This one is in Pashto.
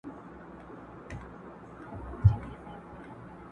ګل دي کم لاچي دي کم لونګ دي کم!.